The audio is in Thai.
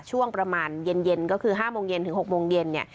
ช่วงประมาณเย็นก็คือ๕โมงเย็นถึง๖โมงเย็นเนี่ย